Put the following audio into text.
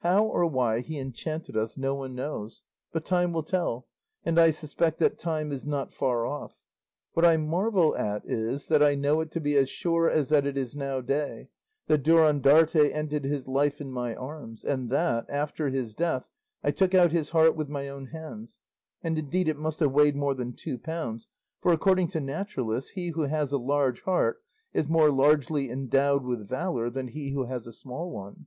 How or why he enchanted us, no one knows, but time will tell, and I suspect that time is not far off. What I marvel at is, that I know it to be as sure as that it is now day, that Durandarte ended his life in my arms, and that, after his death, I took out his heart with my own hands; and indeed it must have weighed more than two pounds, for, according to naturalists, he who has a large heart is more largely endowed with valour than he who has a small one.